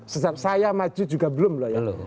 saya maju juga belum loh ya belum